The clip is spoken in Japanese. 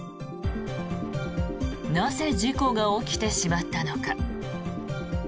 なぜ事故が起きてしまったのか。